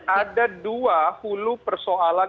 ada dua hulu persoalan